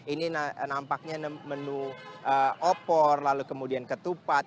ini nampaknya menu opor lalu kemudian ketupat